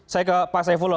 saya ke pak saifullah